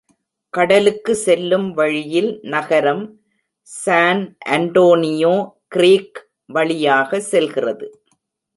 கடலுக்கு செல்லும் வழியில் நகரம் சான் அன்டோனியோ க்ரீக் வழியாக செல்கிறது.